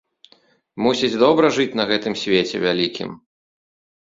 Мусіць, добра жыць на гэтым свеце вялікім?